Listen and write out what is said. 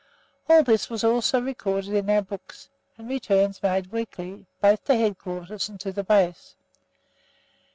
All this was also recorded in our books, and returns made weekly, both to headquarters and to the base.